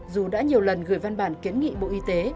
dù đã nhiều lần gửi văn bản kiến nghị bộ y tế